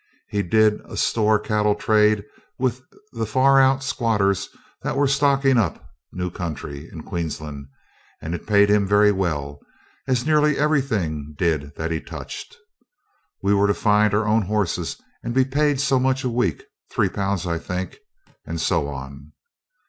He did a store cattle trade with the far out squatters that were stocking up new country in Queensland, and it paid him very well, as nearly everything did that he touched. We were to find our own horses and be paid so much a week three pounds, I think and so on.